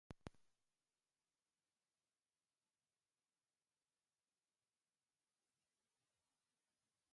She also presented "Ellie in de Handel" which focused on illegal trade.